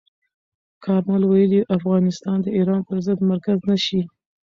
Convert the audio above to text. کارمل ویلي، افغانستان د ایران پر ضد مرکز نه شي.